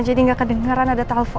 jadi gak kedengeran ada telpon